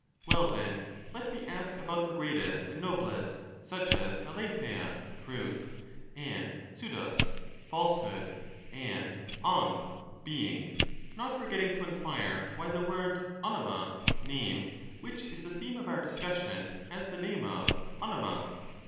Well, then, let me ask about the greatest and noblest, such as uA7]Beia (truth) and xpevdot; (falsehood) and ov (being), 421 not forgetting to enquire why the word ovojia (name), which is the theme of our discussion, has this name of ovofia.